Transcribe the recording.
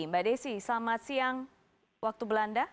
mbak desi selamat siang waktu belanda